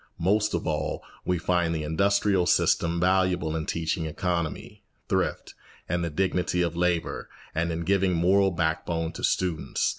Most of all, we find the industrial system valuable in teaching economy, thrift, and the dignity of labour and in giving moral backbone to students.